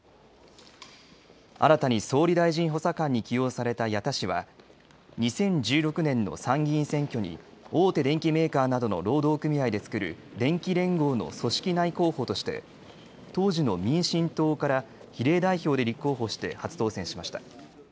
新たに総理大臣補佐官に起用された矢田氏は２０１６年の参議院選挙に大手電機メーカーなどの労働組合で作る電機連合の組織内候補として当時の民進党から比例代表で立候補して初当選しました。